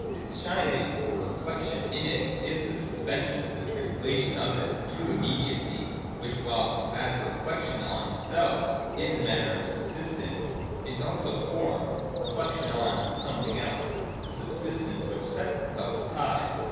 Its shining or reflection in it is the suspension and trans lation of it to immediacy, which, whilst as reflection on self it is matter or subsistence, is also form, reflec tion on something else, a subsistence which sets itself aside.